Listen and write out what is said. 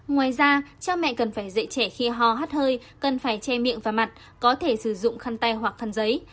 ngoài ra cha mẹ cần phải dạy trẻ khi ho hát hơi cần phải che miệng và mặt có thể sử dụng khăn tay hoặc khăn giấy